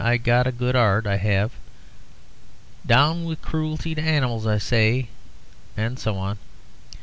I've got a good 'art, I 'ave.... "Down with croolty to animals," I say,' and so on.